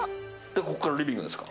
ここからリビングですか。